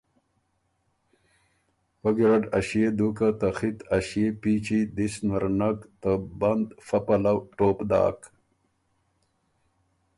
پۀ ګیرډ ا ݭيې دُوکه ته خِط ا ݭيې پیچی دِس نر نک ته بند فۀ پلؤه ټوپ داک